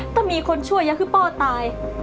ก็มีคนช่วยยากคือป๊าตาย